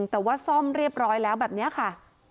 แต่ว่าซ่อมเรียบร้อยแล้วแบบนี้ค่ะ